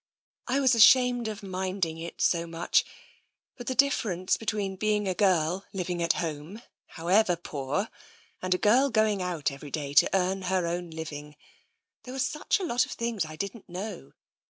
" I was ashamed of minding it so much — but the difference between being a girl living at home, however poor, and a girl going out every day to earn her own living. There were such a lot of things I didn't know.